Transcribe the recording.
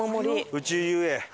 宇宙遊泳。